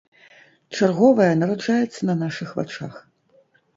Чарговая нараджаецца на нашых вачах.